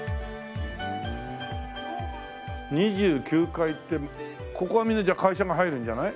２９階ってここはみんなじゃあ会社が入るんじゃない？